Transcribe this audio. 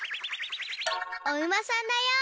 おうまさんだよ！